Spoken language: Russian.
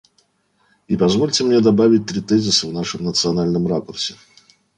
И позвольте мне добавить три тезиса в нашем национальном ракурсе.